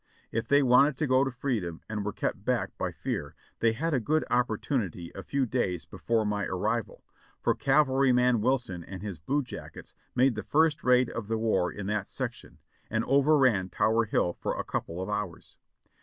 If they wanted to go to freedom and were kept back by fear, they had a good opportunity a few days before my arrival, for 580 JOHNNY REB AND BILLY YANK Cavalryman Wilson and his blue jackets made the first raid of the war in that section, and over ran Tower Hill for a couple of hours.